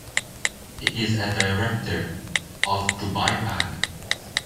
He is a director of Dubai Bank.